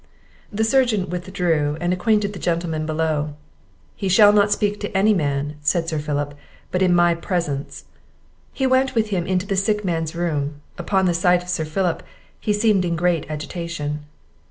The surgeon withdrew, and acquainted the gentlemen below. "He shall not speak to any man," said Sir Philip, "but in my presence." He went with him into the sick man's room. Upon the sight of Sir Philip, he seemed in great agitation.